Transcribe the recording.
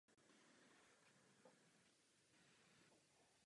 Z emblému byl vypuštěn bílý kruh.